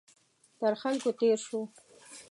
تر خلکو تېر شو.